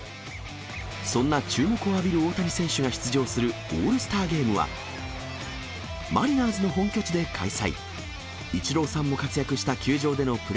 そんな注目を浴びる大谷選手が出場するオールスターゲームは、マリナーズの本拠地で開催。